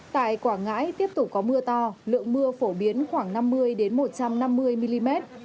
tại quảng ngãi tiếp tục có mưa to lượng mưa phổ biến khoảng năm mươi một trăm năm mươi mm